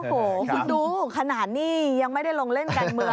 โอ้โหคุณดูขนาดนี้ยังไม่ได้ลงเล่นการเมือง